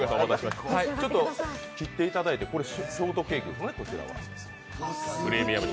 切っていただいてこちらショートケーキですね。